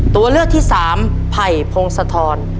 ตัวเลือกที่สามไผ่พงศธร